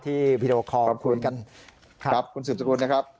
ที่วีดีโอคอล์ขอบคุณกันครับคุณสุดท้ายคุณนะครับ